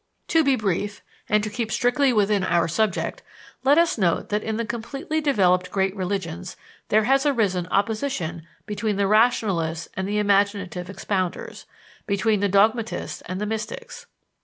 To be brief, and to keep strictly within our subject, let us note that in the completely developed great religions there has arisen opposition between the rationalists and the imaginative expounders, between the dogmatists and the mystics.